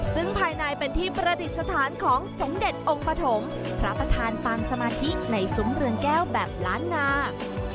ซึ่งภายในเป็นที่ประดิษฐานของสมเด็จองค์ปฐมพระประธานปางสมาธิในซุ้มเรือนแก้วแบบล้านนา